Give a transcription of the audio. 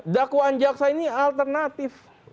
daku anjaksa ini alternatif